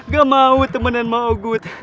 gak mau temenan sama ogut